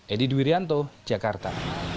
edi diwiryanto jakarta